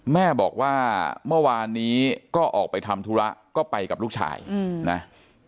แม่บอกว่าเมื่อวานนี้ก็ออกไปทำธุระก็ไปกับลูกชายนะ